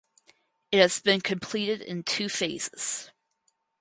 It has been completed in two phases.